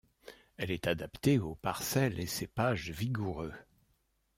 Elle est adaptée aux parcelles et cépages vigoureux.